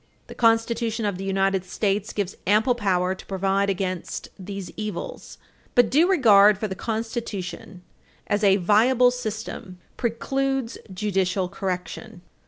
The Constitution of the United States gives ample power to provide against these evils. But due regard for the Constitution as a viable system precludes judicial correction.